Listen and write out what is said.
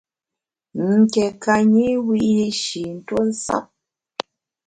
Nké ka nyi wiyi’shi ntuo nsap.